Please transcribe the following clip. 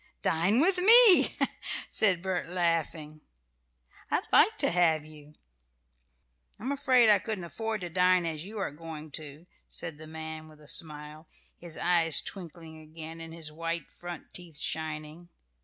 "Dine with me," said Bert, laughing. "I'd like to have you." "I'm afraid I couldn't afford to dine as you are going to," said the man, with a smile, his eyes twinkling again and his white front teeth shining.